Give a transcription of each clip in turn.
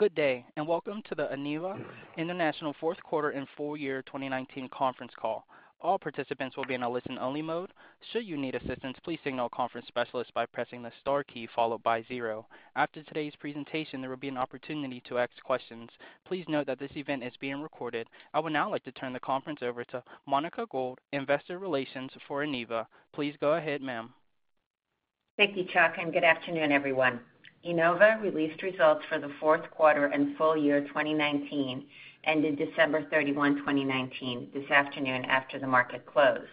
Good day. Welcome to the Enova International fourth quarter and full year 2019 conference call. All participants will be in a listen only mode. Should you need assistance, please signal a conference specialist by pressing the star key, followed by zero. After today's presentation, there will be an opportunity to ask questions. Please note that this event is being recorded. I would now like to turn the conference over to Monica Gould, investor relations for Enova. Please go ahead, ma'am. Thank you, Chuck, and good afternoon, everyone. Enova released results for the fourth quarter and full year 2019, ended December 31, 2019, this afternoon after the market close.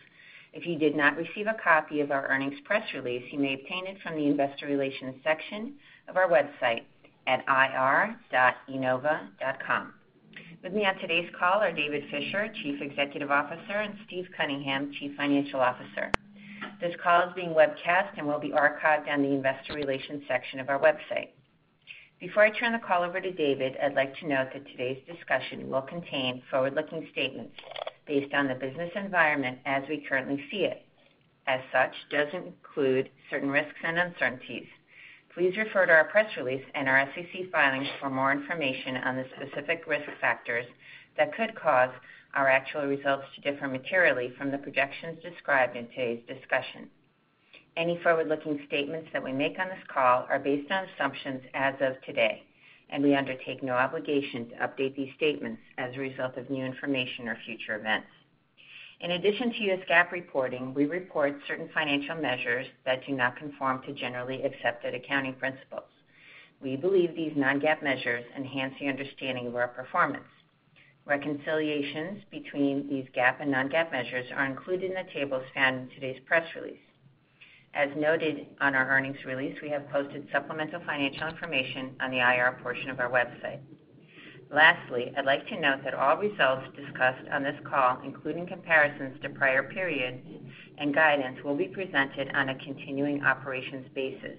If you did not receive a copy of our earnings press release, you may obtain it from the investor relations section of our website at ir.enova.com. With me on today's call are David Fisher, Chief Executive Officer, and Steve Cunningham, Chief Financial Officer. This call is being webcast and will be archived on the investor relations section of our website. Before I turn the call over to David, I'd like to note that today's discussion will contain forward-looking statements based on the business environment as we currently see it. Such does include certain risks and uncertainties. Please refer to our press release and our SEC filings for more information on the specific risk factors that could cause our actual results to differ materially from the projections described in today's discussion. Any forward-looking statements that we make on this call are based on assumptions as of today, and we undertake no obligation to update these statements as a result of new information or future events. In addition to US GAAP reporting, we report certain financial measures that do not conform to generally accepted accounting principles. We believe these non-GAAP measures enhance the understanding of our performance. Reconciliations between these GAAP and non-GAAP measures are included in the tables found in today's press release. As noted on our earnings release, we have posted supplemental financial information on the IR portion of our website. Lastly, I'd like to note that all results discussed on this call, including comparisons to prior periods and guidance, will be presented on a continuing operations basis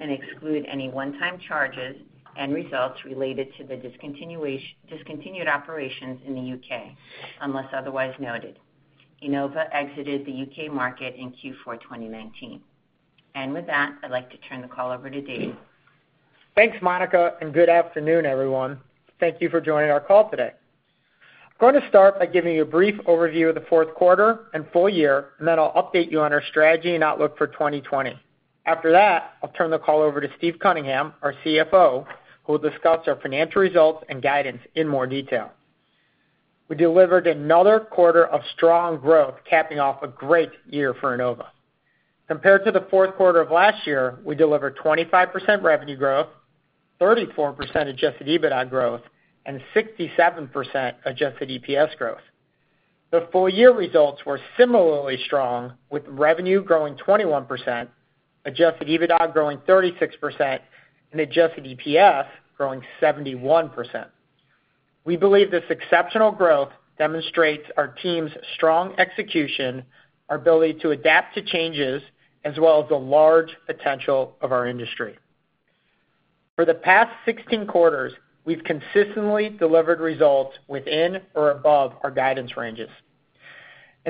and exclude any one-time charges and results related to the discontinued operations in the U.K., unless otherwise noted. Enova exited the U.K. market in Q4 2019. With that, I'd like to turn the call over to David. Thanks, Monica. Good afternoon, everyone. Thank you for joining our call today. I'm going to start by giving you a brief overview of the fourth quarter and full year, then I'll update you on our strategy and outlook for 2020. After that, I'll turn the call over to Steve Cunningham, our CFO, who will discuss our financial results and guidance in more detail. We delivered another quarter of strong growth, capping off a great year for Enova. Compared to the fourth quarter of last year, we delivered 25% revenue growth, 34% adjusted EBITDA growth, and 67% adjusted EPS growth. The full year results were similarly strong, with revenue growing 21%, adjusted EBITDA growing 36%, and adjusted EPS growing 71%. We believe this exceptional growth demonstrates our team's strong execution, our ability to adapt to changes, as well as the large potential of our industry. For the past 16 quarters, we've consistently delivered results within or above our guidance ranges.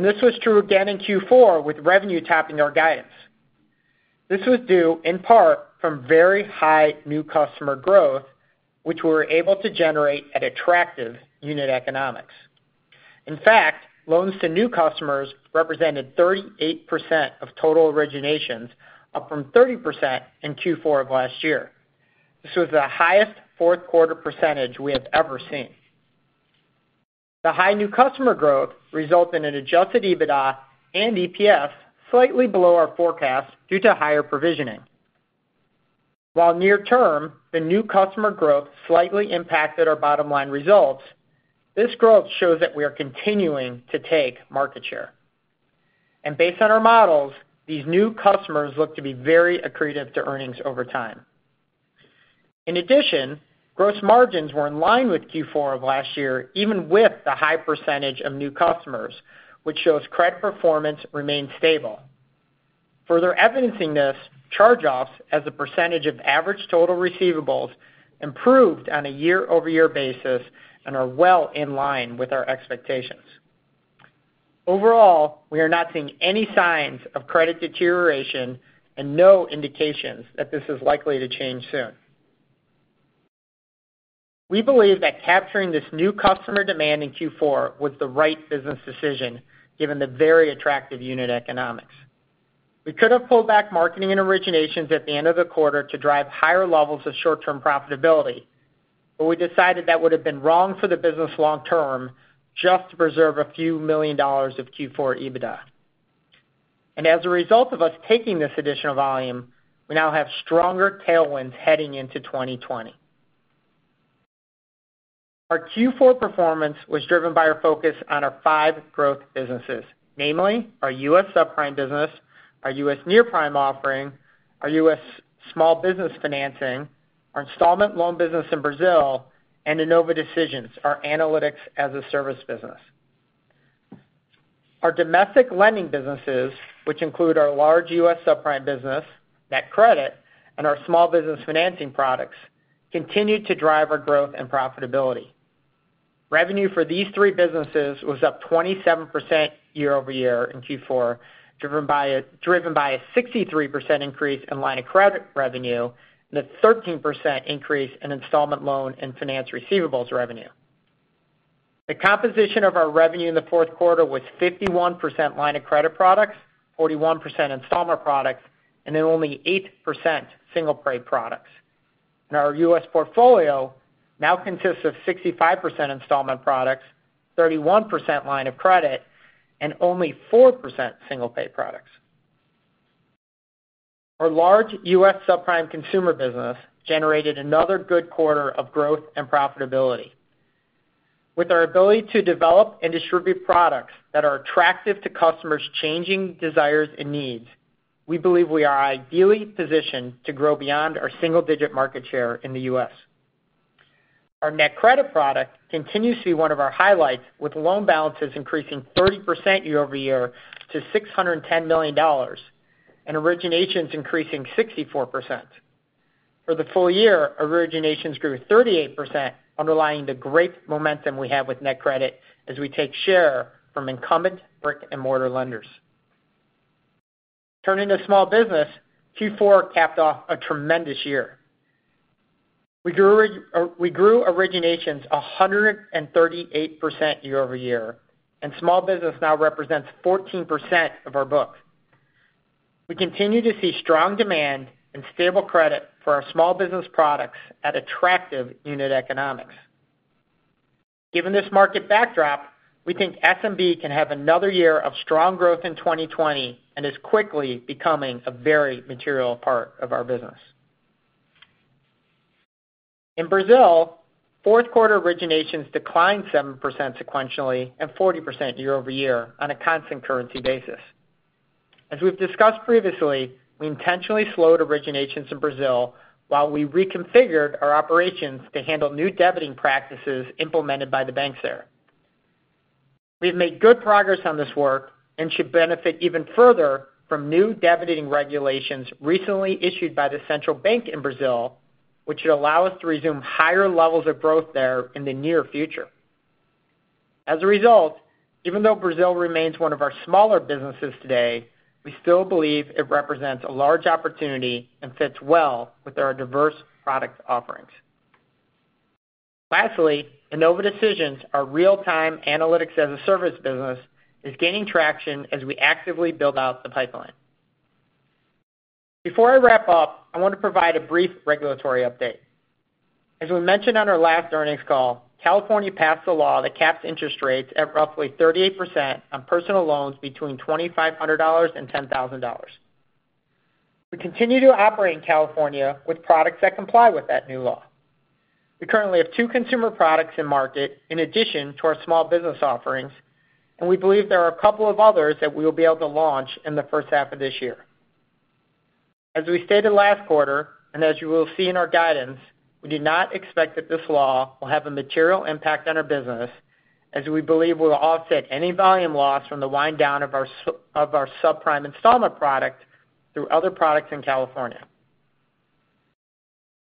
This was true again in Q4 with revenue topping our guidance. This was due in part from very high new customer growth, which we were able to generate at attractive unit economics. In fact, loans to new customers represented 38% of total originations, up from 30% in Q4 of last year. This was the highest fourth quarter percentage we have ever seen. The high new customer growth resulted in adjusted EBITDA and EPS slightly below our forecast due to higher provisioning. While near-term, the new customer growth slightly impacted our bottom-line results, this growth shows that we are continuing to take market share. Based on our models, these new customers look to be very accretive to earnings over time. In addition, gross margins were in line with Q4 of last year, even with the high percentage of new customers, which shows credit performance remained stable. Further evidencing this, charge-offs as a percentage of average total receivables improved on a year-over-year basis and are well in line with our expectations. Overall, we are not seeing any signs of credit deterioration and no indications that this is likely to change soon. We believe that capturing this new customer demand in Q4 was the right business decision, given the very attractive unit economics. We could have pulled back marketing and originations at the end of the quarter to drive higher levels of short-term profitability. We decided that would've been wrong for the business long-term, just to preserve a few million dollars of Q4 EBITDA. As a result of us taking this additional volume, we now have stronger tailwinds heading into 2020. Our Q4 performance was driven by our focus on our five growth businesses, namely our U.S. subprime business, our U.S. near-prime offering, our U.S. small business financing, our installment loan business in Brazil, and Enova Decisions, our analytics-as-a-service business. Our domestic lending businesses, which include our large U.S. subprime business, NetCredit, and our small business financing products, continue to drive our growth and profitability. Revenue for these three businesses was up 27% year-over-year in Q4, driven by a 63% increase in line of credit revenue, and a 13% increase in installment loan and finance receivables revenue. The composition of our revenue in the fourth quarter was 51% line of credit products, 41% installment products, and then only 8% single-pay products. Our U.S. portfolio now consists of 65% installment products, 31% line of credit, and only 4% single-pay products. Our large U.S. subprime consumer business generated another good quarter of growth and profitability. With our ability to develop and distribute products that are attractive to customers' changing desires and needs, we believe we are ideally positioned to grow beyond our single-digit market share in the U.S. Our NetCredit product continues to be one of our highlights, with loan balances increasing 30% year-over-year to $610 million, and originations increasing 64%. For the full year, originations grew 38%, underlying the great momentum we have with NetCredit as we take share from incumbent brick-and-mortar lenders. Turning to small business, Q4 capped off a tremendous year. We grew originations 138% year-over-year, and small business now represents 14% of our book. We continue to see strong demand and stable credit for our small business products at attractive unit economics. Given this market backdrop, we think SMB can have another year of strong growth in 2020 and is quickly becoming a very material part of our business. In Brazil, fourth quarter originations declined 7% sequentially and 40% year-over-year on a constant currency basis. As we've discussed previously, we intentionally slowed originations in Brazil while we reconfigured our operations to handle new debiting practices implemented by the banks there. We've made good progress on this work and should benefit even further from new debiting regulations recently issued by the central bank in Brazil, which should allow us to resume higher levels of growth there in the near future. As a result, even though Brazil remains one of our smaller businesses today, we still believe it represents a large opportunity and fits well with our diverse product offerings. Lastly, Enova Decisions, our real-time analytics-as-a-service business, is gaining traction as we actively build out the pipeline. Before I wrap up, I want to provide a brief regulatory update. As we mentioned on our last earnings call, California passed a law that caps interest rates at roughly 38% on personal loans between $2,500 and $10,000. We continue to operate in California with products that comply with that new law. We currently have two consumer products in market in addition to our small business offerings, and we believe there are a couple of others that we will be able to launch in the first half of this year. As we stated last quarter, and as you will see in our guidance, we do not expect that this law will have a material impact on our business, as we believe we'll offset any volume loss from the wind down of our subprime installment product through other products in California.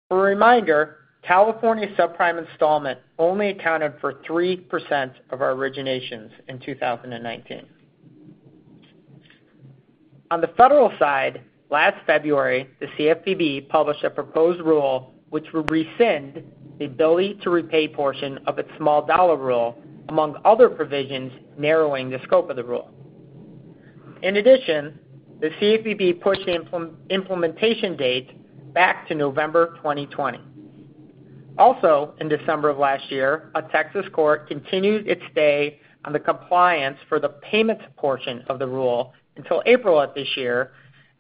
For a reminder, California subprime installment only accounted for 3% of our originations in 2019. On the federal side, last February, the CFPB published a proposed rule which would rescind the ability-to-repay portion of its small dollar rule, among other provisions narrowing the scope of the rule. In addition, the CFPB pushed the implementation date back to November 2020. In December of last year, a Texas court continued its stay on the compliance for the payments portion of the rule until April of this year,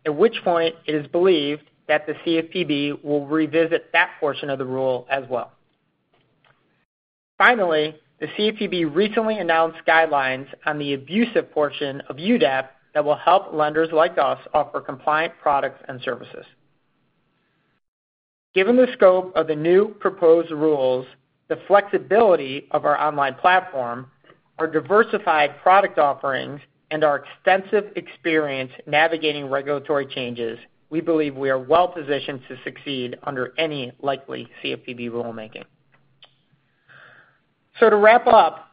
at which point it is believed that the CFPB will revisit that portion of the rule as well. The CFPB recently announced guidelines on the abusive portion of UDAP that will help lenders like us offer compliant products and services. Given the scope of the new proposed rules, the flexibility of our online platform, our diversified product offerings, and our extensive experience navigating regulatory changes, we believe we are well-positioned to succeed under any likely CFPB rulemaking. To wrap up,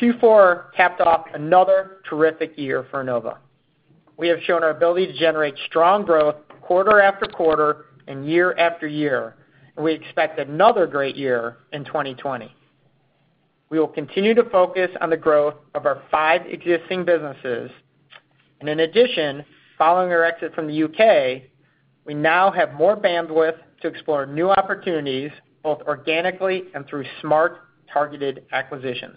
Q4 capped off another terrific year for Enova. We have shown our ability to generate strong growth quarter after quarter and year after year, and we expect another great year in 2020. We will continue to focus on the growth of our five existing businesses. In addition, following our exit from the U.K., we now have more bandwidth to explore new opportunities, both organically and through smart, targeted acquisitions.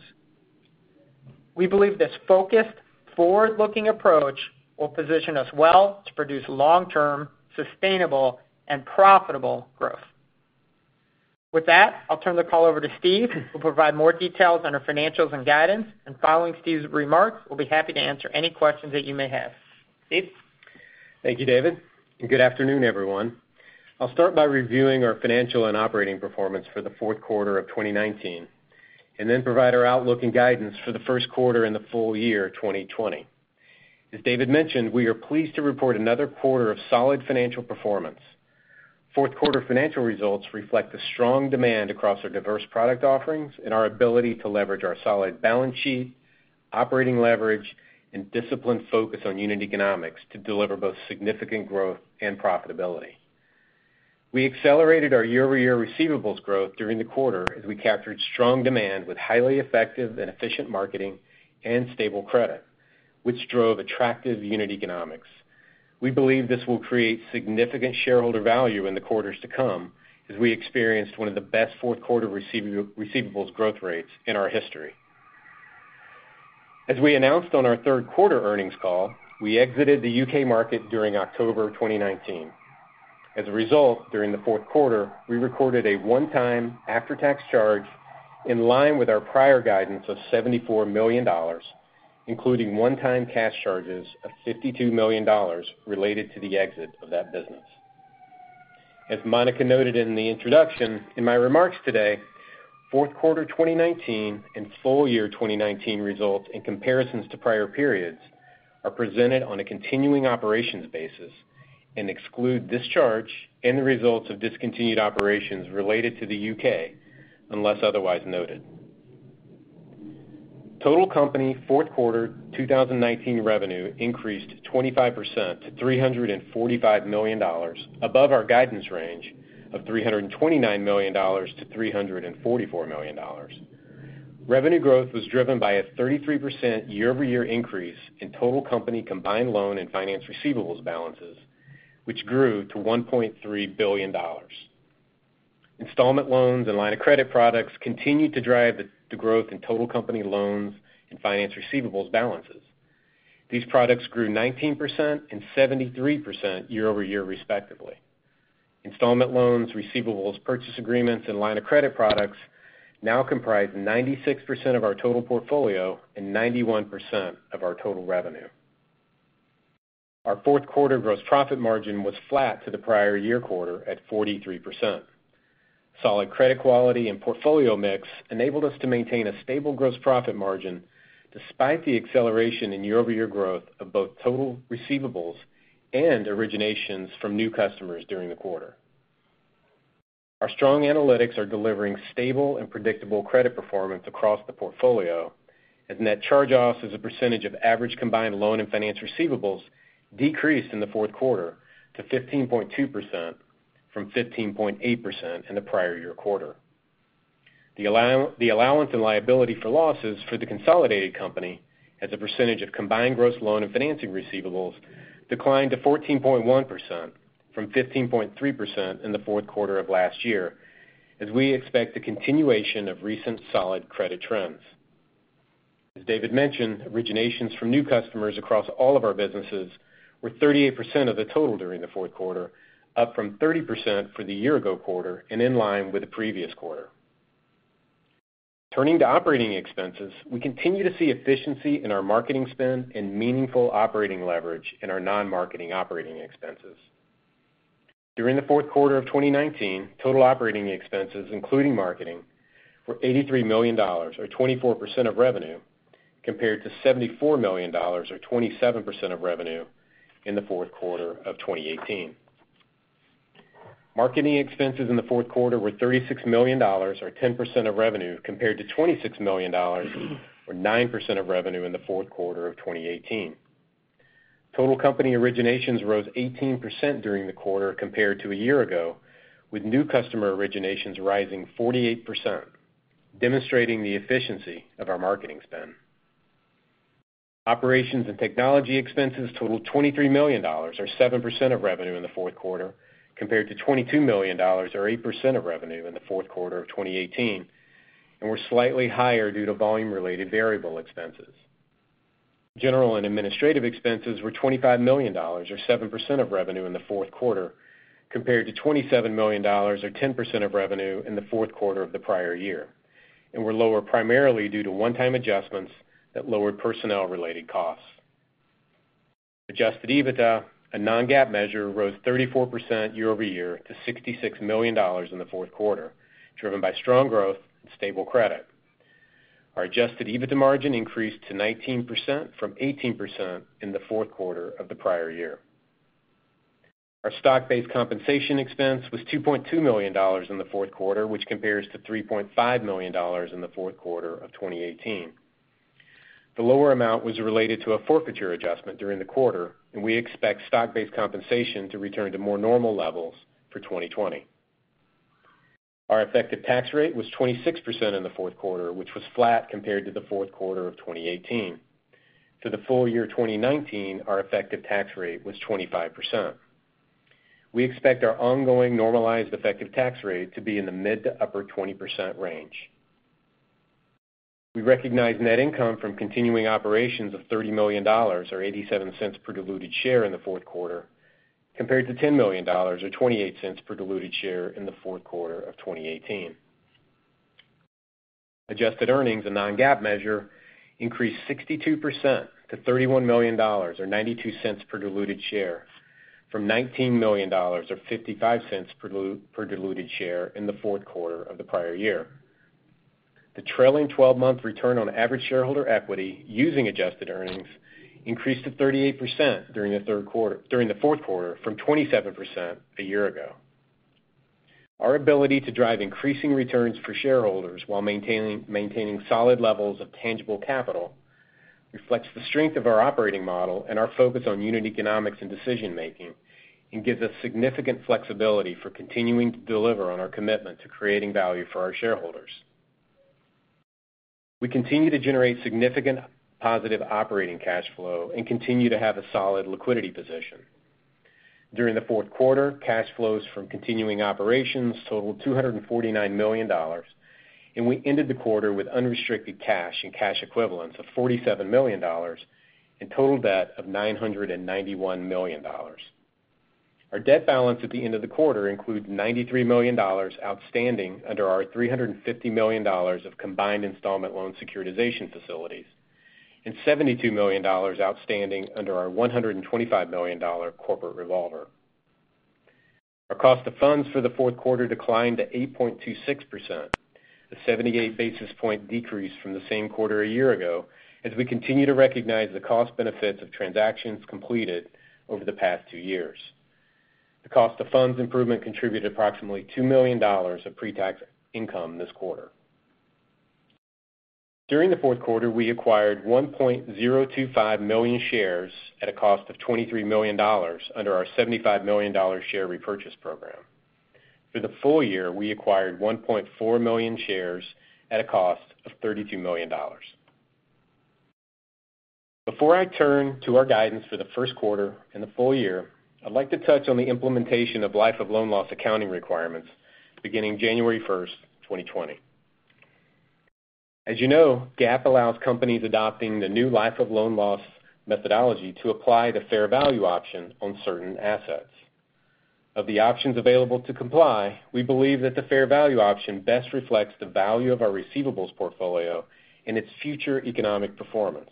We believe this focused, forward-looking approach will position us well to produce long-term, sustainable, and profitable growth. With that, I'll turn the call over to Steve, who will provide more details on our financials and guidance. Following Steve's remarks, we'll be happy to answer any questions that you may have. Steve? Thank you, David. Good afternoon, everyone. I'll start by reviewing our financial and operating performance for the fourth quarter of 2019, then provide our outlook and guidance for the first quarter and the full year 2020. As David mentioned, we are pleased to report another quarter of solid financial performance. Fourth quarter financial results reflect the strong demand across our diverse product offerings and our ability to leverage our solid balance sheet, operating leverage, and disciplined focus on unit economics to deliver both significant growth and profitability. We accelerated our year-over-year receivables growth during the quarter as we captured strong demand with highly effective and efficient marketing and stable credit, which drove attractive unit economics. We believe this will create significant shareholder value in the quarters to come, as we experienced one of the best fourth quarter receivables growth rates in our history. As we announced on our third quarter earnings call, we exited the U.K. market during October 2019. As a result, during the fourth quarter, we recorded a one-time after-tax charge in line with our prior guidance of $74 million, including one-time cash charges of $52 million related to the exit of that business. As Monica noted in the introduction, in my remarks today, fourth quarter 2019 and full year 2019 results and comparisons to prior periods are presented on a continuing operations basis and exclude this charge and the results of discontinued operations related to the U.K., unless otherwise noted. Total company fourth quarter 2019 revenue increased 25% to $345 million above our guidance range of $329 million-$344 million. Revenue growth was driven by a 33% year-over-year increase in total company combined loan and finance receivables balances, which grew to $1.3 billion. Installment loans and line of credit products continued to drive the growth in total company loans and finance receivables balances. These products grew 19% and 73% year-over-year respectively. Installment loans, receivables purchase agreements, and line of credit products now comprise 96% of our total portfolio and 91% of our total revenue. Our fourth quarter gross profit margin was flat to the prior year quarter at 43%. Solid credit quality and portfolio mix enabled us to maintain a stable gross profit margin despite the acceleration in year-over-year growth of both total receivables and originations from new customers during the quarter. Our strong analytics are delivering stable and predictable credit performance across the portfolio and Net Charge-Offs as a percentage of average combined loan and finance receivables decreased in the fourth quarter to 15.2% from 15.8% in the prior year quarter. The allowance and liability for losses for the consolidated company as a percentage of combined gross loan and financing receivables declined to 14.1% from 15.3% in the fourth quarter of last year, as we expect the continuation of recent solid credit trends. As David mentioned, originations from new customers across all of our businesses were 38% of the total during the fourth quarter, up from 30% for the year ago quarter and in line with the previous quarter. Turning to operating expenses, we continue to see efficiency in our marketing spend and meaningful operating leverage in our non-marketing operating expenses. During the fourth quarter of 2019, total operating expenses, including marketing, were $83 million, or 24% of revenue, compared to $74 million, or 27% of revenue in the fourth quarter of 2018. Marketing expenses in the fourth quarter were $36 million or 10% of revenue compared to $26 million or 9% of revenue in the fourth quarter of 2018. Total company originations rose 18% during the quarter compared to a year ago, with new customer originations rising 48%, demonstrating the efficiency of our marketing spend. Operations and technology expenses totaled $23 million, or 7% of revenue in the fourth quarter, compared to $22 million or 8% of revenue in the fourth quarter of 2018, and were slightly higher due to volume-related variable expenses. General and administrative expenses were $25 million, or 7% of revenue in the fourth quarter, compared to $27 million or 10% of revenue in the fourth quarter of the prior year, and were lower primarily due to one-time adjustments that lowered personnel-related costs. adjusted EBITDA, a non-GAAP measure, rose 34% year-over-year to $66 million in the fourth quarter, driven by strong growth and stable credit. Our adjusted EBITDA margin increased to 19% from 18% in the fourth quarter of the prior year. Our stock-based compensation expense was $2.2 million in the fourth quarter, which compares to $3.5 million in the fourth quarter of 2018. The lower amount was related to a forfeiture adjustment during the quarter, and we expect stock-based compensation to return to more normal levels for 2020. Our effective tax rate was 26% in the fourth quarter, which was flat compared to the fourth quarter of 2018. For the full year 2019, our effective tax rate was 25%. We expect our ongoing normalized effective tax rate to be in the mid to upper 20% range. We recognized net income from continuing operations of $30 million, or $0.87 per diluted share in the fourth quarter, compared to $10 million or $0.28 per diluted share in the fourth quarter of 2018. Adjusted earnings, a non-GAAP measure, increased 62% to $31 million, or $0.92 per diluted share from $19 million or $0.55 per diluted share in the fourth quarter of the prior year. The trailing 12-month return on average shareholder equity using adjusted earnings increased to 38% during the fourth quarter from 27% a year ago. Our ability to drive increasing returns for shareholders while maintaining solid levels of tangible capital reflects the strength of our operating model and our focus on unit economics and decision-making, and gives us significant flexibility for continuing to deliver on our commitment to creating value for our shareholders. We continue to generate significant positive operating cash flow and continue to have a solid liquidity position. During the fourth quarter, cash flows from continuing operations totaled $249 million, and we ended the quarter with unrestricted cash and cash equivalents of $47 million and total debt of $991 million. Our debt balance at the end of the quarter includes $93 million outstanding under our $350 million of combined installment loan securitization facilities and $72 million outstanding under our $125 million corporate revolver. Our cost of funds for the fourth quarter declined to 8.26%, a 78 basis point decrease from the same quarter a year ago, as we continue to recognize the cost benefits of transactions completed over the past two years. The cost of funds improvement contributed approximately $2 million of pre-tax income this quarter. During the fourth quarter, we acquired 1.025 million shares at a cost of $23 million under our $75 million share repurchase program. For the full year, we acquired 1.4 million shares at a cost of $32 million. Before I turn to our guidance for the first quarter and the full year, I'd like to touch on the implementation of life of loan loss accounting requirements beginning January 1st, 2020. As you know, GAAP allows companies adopting the new life of loan loss methodology to apply the fair value option on certain assets. Of the options available to comply, we believe that the fair value option best reflects the value of our receivables portfolio and its future economic performance.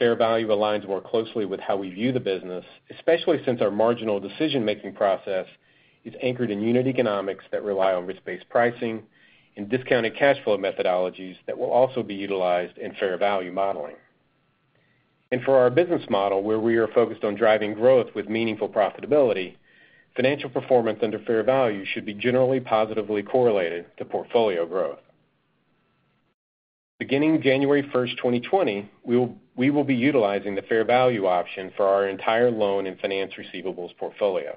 Fair value aligns more closely with how we view the business, especially since our marginal decision-making process is anchored in unit economics that rely on risk-based pricing and discounted cash flow methodologies that will also be utilized in fair value modeling. For our business model, where we are focused on driving growth with meaningful profitability, financial performance under fair value should be generally positively correlated to portfolio growth. Beginning January 1st, 2020, we will be utilizing the fair value option for our entire loan and finance receivables portfolio.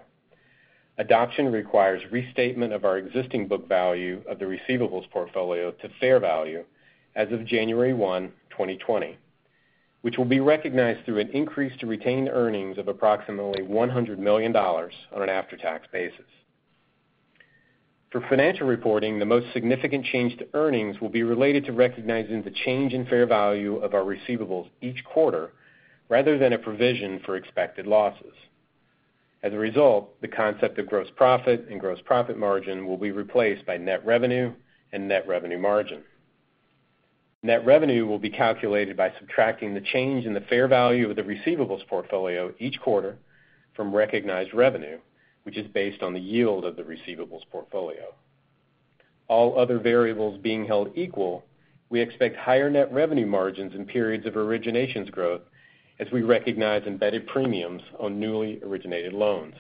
Adoption requires restatement of our existing book value of the receivables portfolio to fair value as of January 1, 2020, which will be recognized through an increase to retained earnings of approximately $100 million on an after-tax basis. For financial reporting, the most significant change to earnings will be related to recognizing the change in fair value of our receivables each quarter, rather than a provision for expected losses. As a result, the concept of gross profit and gross profit margin will be replaced by net revenue and net revenue margin. Net revenue will be calculated by subtracting the change in the fair value of the receivables portfolio each quarter from recognized revenue, which is based on the yield of the receivables portfolio. All other variables being held equal, we expect higher net revenue margins in periods of originations growth as we recognize embedded premiums on newly originated loans.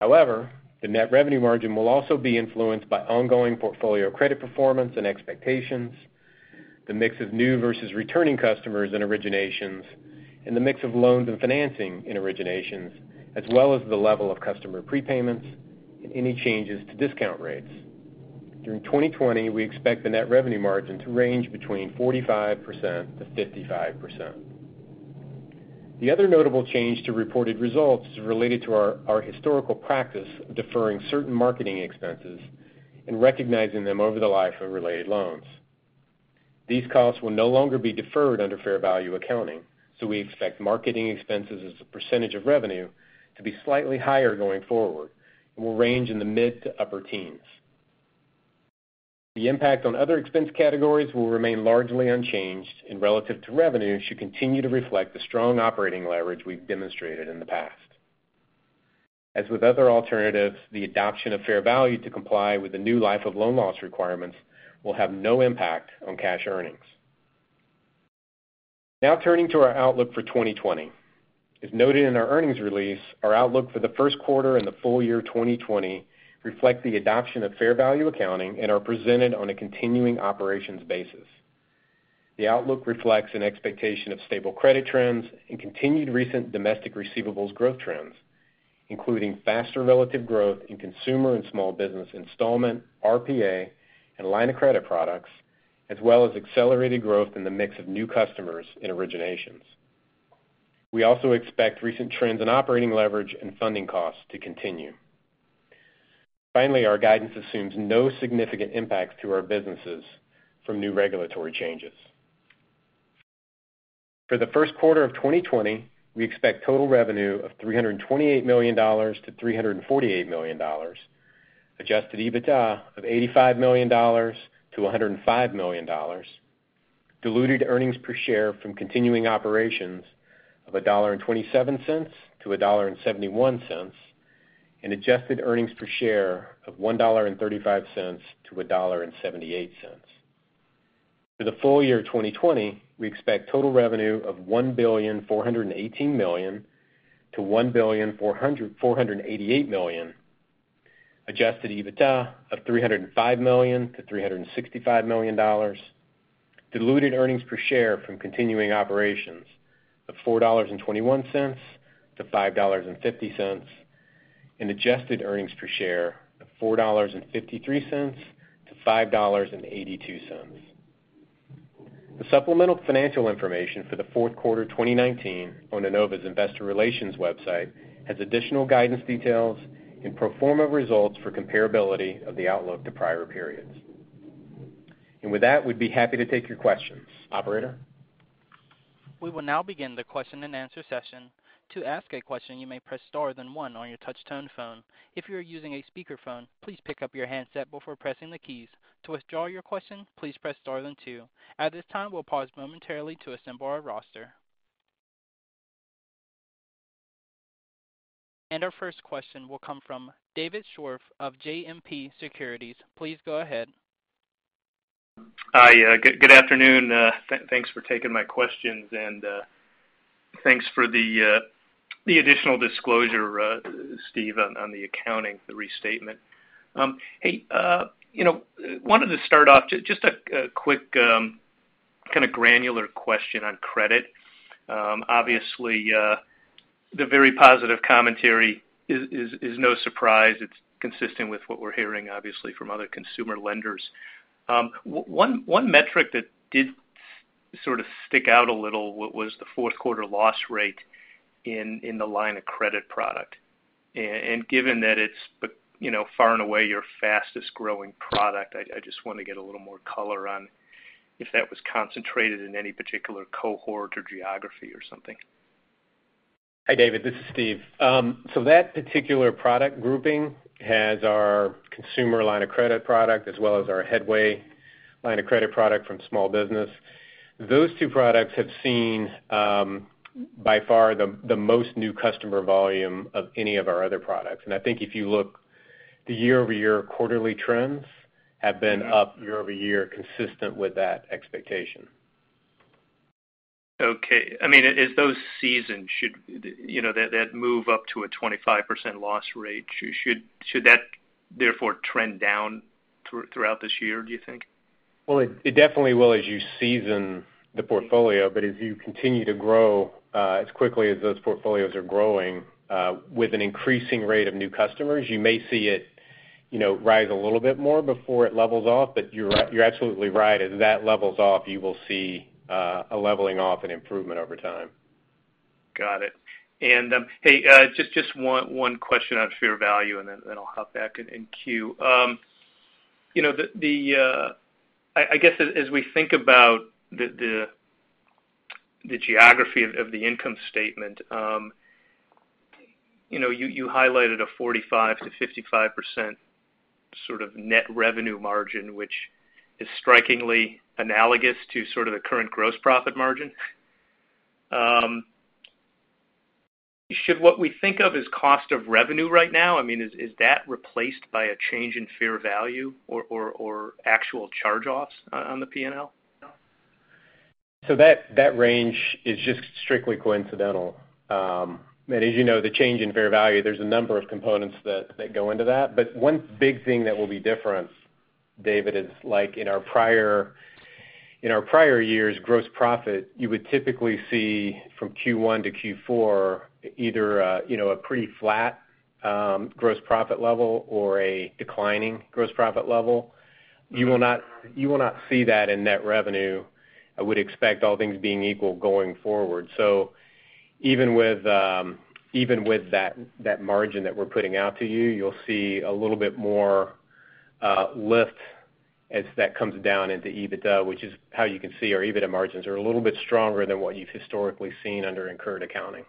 However, the net revenue margin will also be influenced by ongoing portfolio credit performance and expectations, the mix of new versus returning customers in originations, and the mix of loans and financing in originations, as well as the level of customer prepayments and any changes to discount rates. During 2020, we expect the net revenue margin to range between 45%-55%. The other notable change to reported results related to our historical practice of deferring certain marketing expenses and recognizing them over the life of related loans. We expect marketing expenses as a percentage of revenue to be slightly higher going forward and will range in the mid to upper teens. The impact on other expense categories will remain largely unchanged and relative to revenue should continue to reflect the strong operating leverage we've demonstrated in the past. As with other alternatives, the adoption of fair value to comply with the new life of loan loss requirements will have no impact on cash earnings. Turning to our outlook for 2020. As noted in our earnings release, our outlook for the first quarter and the full year 2020 reflect the adoption of fair value accounting and are presented on a continuing operations basis. The outlook reflects an expectation of stable credit trends and continued recent domestic receivables growth trends, including faster relative growth in consumer and small business installment, RPA, and line of credit products, as well as accelerated growth in the mix of new customers in originations. We also expect recent trends in operating leverage and funding costs to continue. Finally, our guidance assumes no significant impacts to our businesses from new regulatory changes. For the first quarter of 2020, we expect total revenue of $328 million-$348 million, adjusted EBITDA of $85 million-$105 million, diluted earnings per share from continuing operations of $1.27-$1.71, and adjusted earnings per share of $1.35-$1.78. For the full year 2020, we expect total revenue of $1.418 billion-$1.488 billion, adjusted EBITDA of $305 million-$365 million, diluted earnings per share from continuing operations of $4.21-$5.50, and adjusted earnings per share of $4.53-$5.82. The supplemental financial information for the fourth quarter 2019 on Enova's investor relations website has additional guidance details and pro forma results for comparability of the outlook to prior periods. With that, we'd be happy to take your questions. Operator? We will now begin the question and answer session. To ask a question, you may press star then one on your touch-tone phone. If you are using a speakerphone, please pick up your handset before pressing the keys. To withdraw your question, please press star then two. At this time, we'll pause momentarily to assemble our roster. Our first question will come from David Scharf of JMP Securities. Please go ahead. Hi. Good afternoon. Thanks for taking my questions and thanks for the additional disclosure, Steve, on the accounting, the restatement. Hey, wanted to start off, just a quick kind of granular question on credit. Obviously, the very positive commentary is no surprise. It's consistent with what we're hearing, obviously, from other consumer lenders. One metric that did sort of stick out a little was the fourth quarter loss rate in the line of credit product. Given that it's far and away your fastest growing product, I just want to get a little more color on if that was concentrated in any particular cohort or geography or something. Hi, David. This is Steve. That particular product grouping has our consumer line of credit product as well as our Headway line of credit product from small business. Those two products have seen by far the most new customer volume of any of our other products. I think if you look, the year-over-year quarterly trends have been up year-over-year consistent with that expectation. Okay. As those season, that move up to a 25% loss rate, should that therefore trend down throughout this year, do you think? It definitely will as you season the portfolio. As you continue to grow as quickly as those portfolios are growing with an increasing rate of new customers, you may see it rise a little bit more before it levels off. You're absolutely right. As that levels off, you will see a leveling off and improvement over time. Got it. Hey, just one question on fair value, and then I'll hop back in queue. I guess as we think about the geography of the income statement, you highlighted a 45%-55% sort of net revenue margin, which is strikingly analogous to sort of the current gross profit margin. Should what we think of as cost of revenue right now, is that replaced by a change in fair value or actual charge-offs on the P&L? That range is just strictly coincidental. As you know, the change in fair value, there's a number of components that go into that. One big thing that will be different, David, is like in our prior years' gross profit, you would typically see from Q1 to Q4 either a pretty flat gross profit level or a declining gross profit level. You will not see that in net revenue, I would expect all things being equal going forward. Even with that margin that we're putting out to you'll see a little bit more lift as that comes down into EBITDA, which is how you can see our EBITDA margins are a little bit stronger than what you've historically seen under incurred accounting.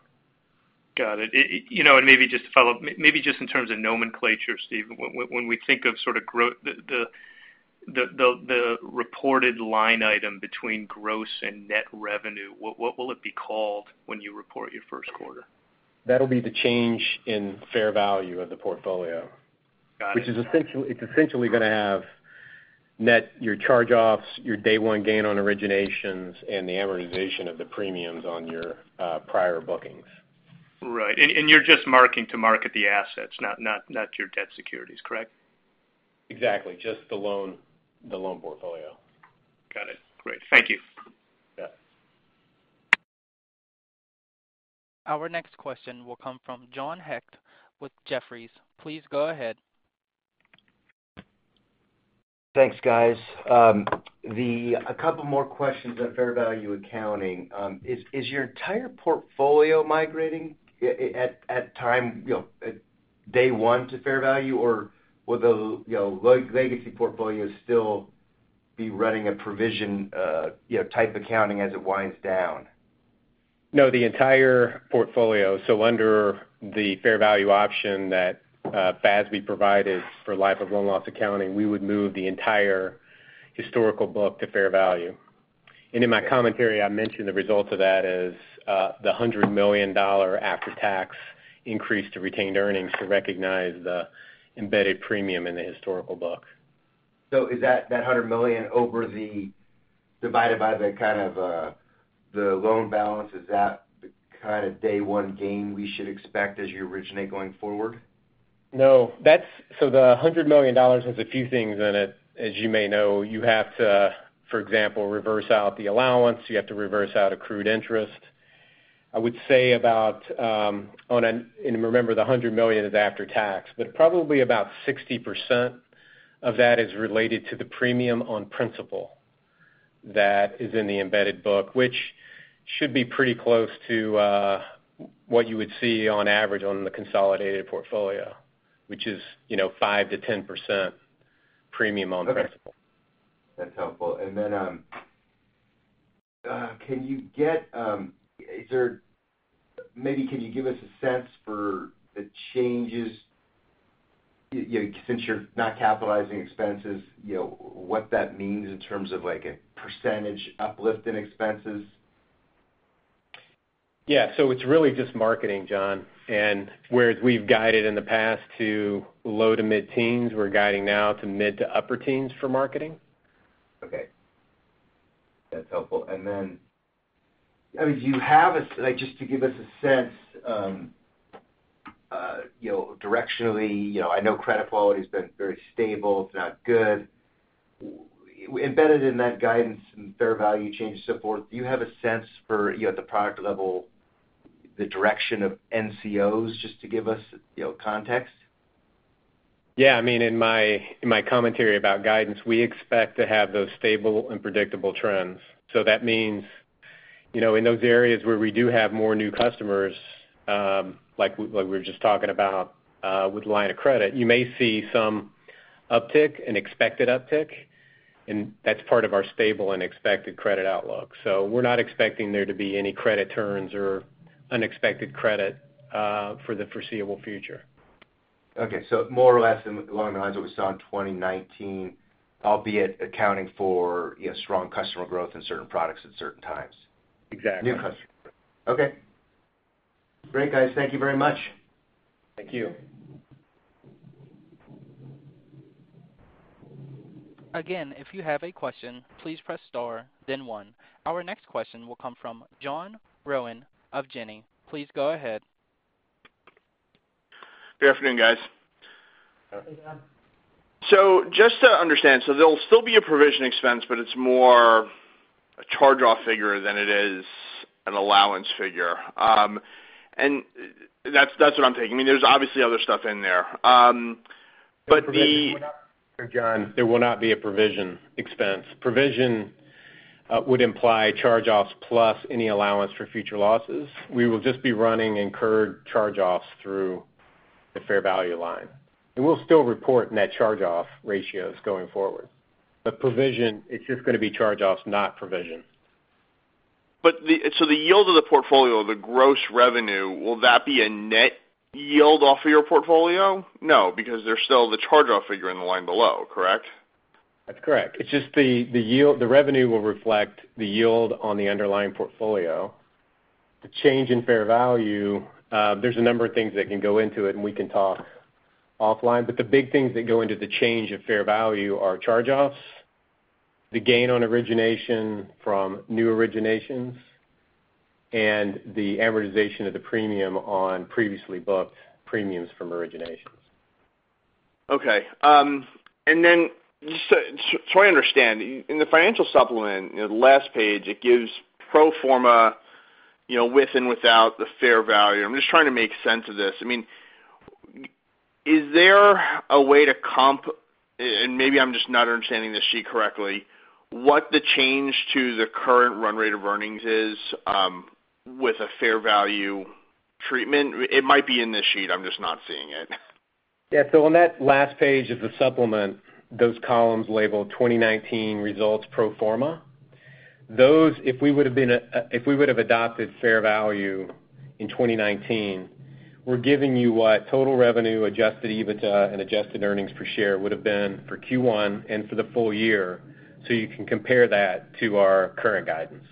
Got it. Maybe just to follow up, maybe just in terms of nomenclature, Steve, when we think of sort of the reported line item between gross and net revenue, what will it be called when you report your first quarter? That'll be the change in fair value of the portfolio. Got it. It's essentially going to have Net your Charge-Offs, your day one gain on originations, and the amortization of the premiums on your prior bookings. Right. You're just marking to market the assets, not your debt securities, correct? Exactly. Just the loan portfolio. Got it. Great. Thank you. Yeah. Our next question will come from John Hecht with Jefferies. Please go ahead. Thanks, guys. A couple more questions on fair value accounting. Is your entire portfolio migrating at time day one to fair value, or will the legacy portfolio still be running a provision type accounting as it winds down? No, the entire portfolio. Under the fair value option that FASB provided for life of loan loss accounting, we would move the entire historical book to fair value. In my commentary, I mentioned the result of that is the $100 million after-tax increase to retained earnings to recognize the embedded premium in the historical book. Is that $100 million divided by the kind of the loan balance? Is that the kind of day one gain we should expect as you originate going forward? No. The $100 million has a few things in it. As you may know, you have to, for example, reverse out the allowance. You have to reverse out accrued interest. I would say about, and remember, the $100 million is after tax, but probably about 60% of that is related to the premium on principal that is in the embedded book, which should be pretty close to what you would see on average on the consolidated portfolio, which is 5%-10% premium on principal. Okay. That's helpful. Maybe can you give us a sense for the changes, since you are not capitalizing expenses, what that means in terms of a percentage uplift in expenses? Yeah. It's really just marketing, John. Whereas we've guided in the past to low to mid-teens, we're guiding now to mid to upper teens for marketing. Okay. That's helpful. Just to give us a sense directionally, I know credit quality's been very stable, if not good. Embedded in that guidance and fair value change and so forth, do you have a sense for the product level, the direction of NCOs, just to give us context? Yeah. In my commentary about guidance, we expect to have those stable and predictable trends. That means in those areas where we do have more new customers, like we were just talking about with line of credit, you may see some uptick, an expected uptick, and that's part of our stable and expected credit outlook. We're not expecting there to be any credit turns or unexpected credit for the foreseeable future. Okay. More or less along the lines of what we saw in 2019, albeit accounting for strong customer growth in certain products at certain times. Exactly. New customers. Okay. Great, guys. Thank you very much. Thank you. Again, if you have a question, please press star then one. Our next question will come from John Rowan of Janney. Please go ahead. Good afternoon, guys. Hey, John. Just to understand, so there'll still be a provision expense, but it's more a charge-off figure than it is an allowance figure. That's what I'm taking. There's obviously other stuff in there. There will not be a provision expense. Provision would imply charge-offs plus any allowance for future losses. We will just be running incurred charge-offs through the fair value line. We'll still report Net Charge-Off ratios going forward. Provision, it's just going to be charge-offs, not provision. The yield of the portfolio, the gross revenue, will that be a net yield off of your portfolio? No, because there's still the charge-off figure in the line below, correct? That's correct. The revenue will reflect the yield on the underlying portfolio. The change in fair value, there's a number of things that can go into it, and we can talk offline. The big things that go into the change of fair value are charge-offs, the gain on origination from new originations, and the amortization of the premium on previously booked premiums from originations. Okay. I understand. In the financial supplement, the last page, it gives pro forma with and without the fair value. I'm just trying to make sense of this. Is there a way to comp, and maybe I'm just not understanding this sheet correctly, what the change to the current run rate of earnings is with a fair value treatment? It might be in this sheet, I'm just not seeing it. Yeah. On that last page of the supplement, those columns labeled 2019 results pro forma. Those, if we would have adopted fair value in 2019, we're giving you what total revenue, adjusted EBITDA, and adjusted earnings per share would have been for Q1 and for the full year, so you can compare that to our current guidance.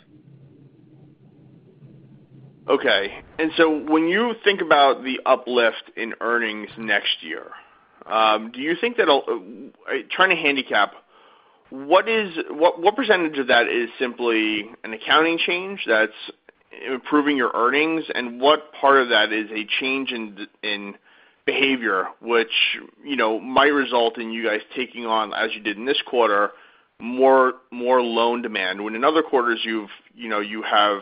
Okay. When you think about the uplift in earnings next year, trying to handicap, what % of that is simply an accounting change that's improving your earnings, and what part of that is a change in behavior which might result in you guys taking on, as you did in this quarter, more loan demand? When in other quarters you have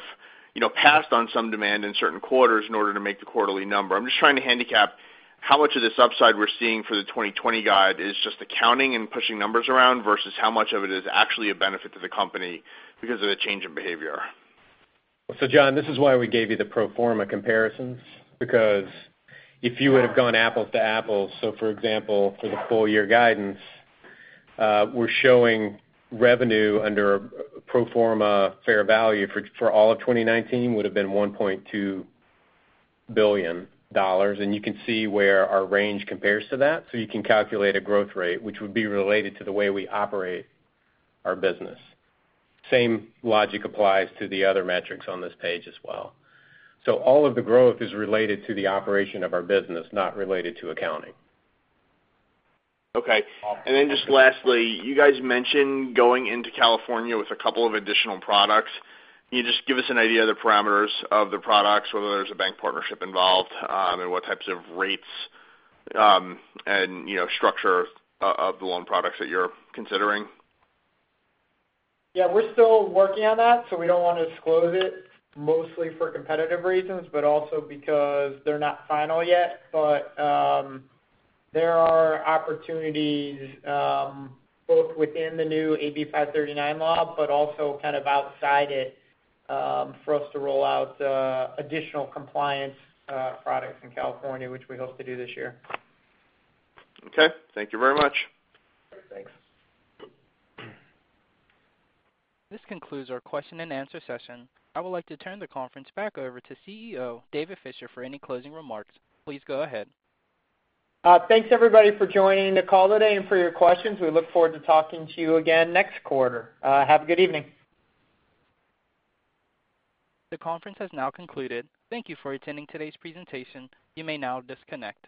passed on some demand in certain quarters in order to make the quarterly number. I'm just trying to handicap how much of this upside we're seeing for the 2020 guide is just accounting and pushing numbers around versus how much of it is actually a benefit to the company because of the change in behavior. John, this is why we gave you the pro forma comparisons because if you would have gone apples to apples, for example, for the full year guidance, we're showing revenue under pro forma fair value for all of 2019 would've been $1.2 billion. You can see where our range compares to that. You can calculate a growth rate, which would be related to the way we operate our business. Same logic applies to the other metrics on this page as well. All of the growth is related to the operation of our business, not related to accounting. Okay. Just lastly, you guys mentioned going into California with a couple of additional products. Can you just give us an idea of the parameters of the products, whether there's a bank partnership involved, and what types of rates and structure of the loan products that you're considering? Yeah, we're still working on that. We don't want to disclose it mostly for competitive reasons, but also because they're not final yet. There are opportunities both within the new AB 539 law but also kind of outside it for us to roll out additional compliance products in California, which we hope to do this year. Okay. Thank you very much. Thanks. This concludes our question-and-answer session. I would like to turn the conference back over to CEO David Fisher for any closing remarks. Please go ahead. Thanks everybody for joining the call today and for your questions. We look forward to talking to you again next quarter. Have a good evening. The conference has now concluded. Thank you for attending today's presentation. You may now disconnect.